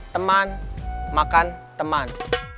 teman makan teman